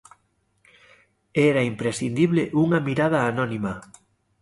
Era imprescindible unha mirada anónima.